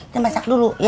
kita masak dulu ya